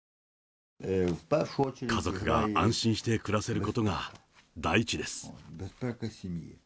家族が安心して暮らせることが第一です。